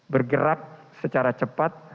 bergerak secara cepat